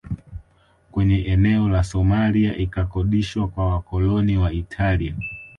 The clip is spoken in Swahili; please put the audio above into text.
Kwenye eneo la Somalia ikakodishwa kwa wakoloni wa Italia